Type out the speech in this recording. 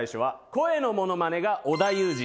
「声のモノマネが織田裕二」